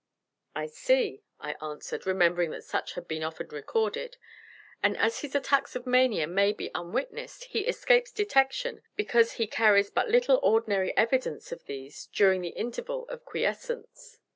"I see," I answered, remembering that such had been often recorded; "and as his attacks of mania may be unwitnessed, he escapes detection because he carries but little ordinary evidence of these during the interval of quiescence."